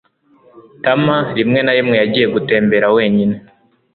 Tama rimwe na rimwe yagiye gutembera wenyine.